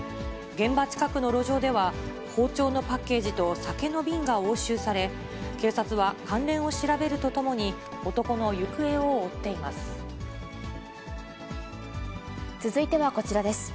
現場近くの路上では、包丁のパッケージと酒の瓶が押収され、警察は関連を調べるととも続いてはこちらです。